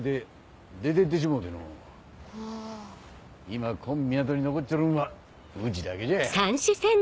今こん港に残っちょるんはうちだけじゃ。